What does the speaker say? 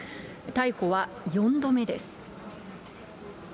逮捕は４度目です。